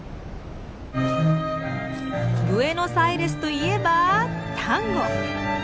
ブエノスアイレスといえばタンゴ。